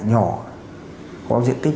nhỏ có diện tích